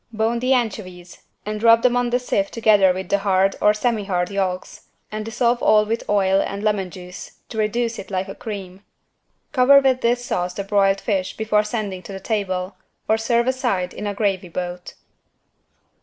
Bone the anchovies and rub them on the sieve together with the hard (or semi hard) yolks, and dissolve all with oil and lemon juice to reduce it like a cream. Cover with this sauce the broiled fish before sending to the table, or serve aside in a gravy boat.